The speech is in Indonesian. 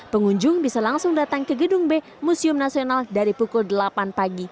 pengunjung bisa langsung datang ke gedung b museum nasional dari pukul delapan pagi